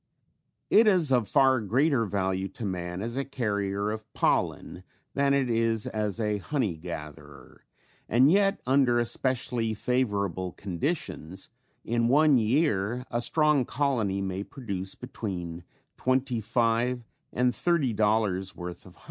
It is of far greater value to man as a carrier of pollen than it is as a honey gatherer and yet under especially favorable conditions in one year a strong colony may produce between twenty five and thirty dollars worth of honey.